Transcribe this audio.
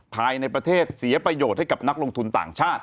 ภายในประเทศเสียประโยชน์ให้กับนักลงทุนต่างชาติ